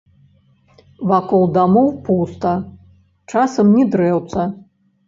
Вакол дамоў пуста, часам ні дрэўца.